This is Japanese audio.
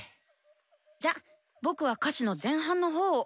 じゃ僕は歌詞の前半の方を。